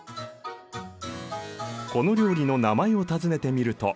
この料理の名前を尋ねてみると。